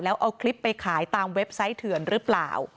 แล้วเอาคลิปไปขายตามเว็บไซต์เถื่อนหรือเปล่า